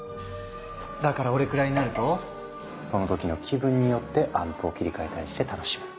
だから俺くらいになるとその時の気分によってアンプを切り替えたりして楽しむ。